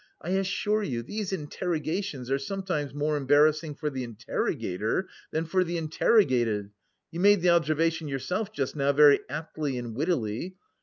I assure you these interrogations are sometimes more embarrassing for the interrogator than for the interrogated.... You made the observation yourself just now very aptly and wittily."